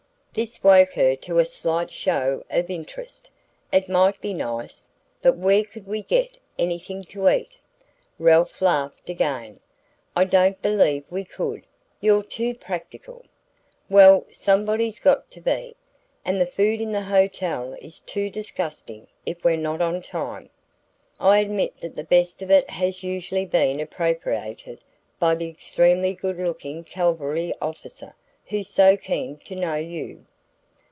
This woke her to a slight show of interest. "It might be nice but where could we get anything to eat?" Ralph laughed again. "I don't believe we could. You're too practical." "Well, somebody's got to be. And the food in the hotel is too disgusting if we're not on time." "I admit that the best of it has usually been appropriated by the extremely good looking cavalry officer who's so keen to know you."